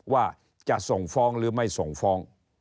ว่าจะส่งฟ้องหรือไม่ส่งฟ้อง